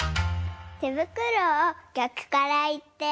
てぶくろをぎゃくからいって。